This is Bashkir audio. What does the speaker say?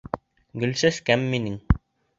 — Гөлсәскәм минең!